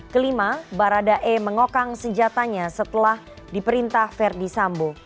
kelima baradae mengokang senjatanya setelah diperintah ferdisambo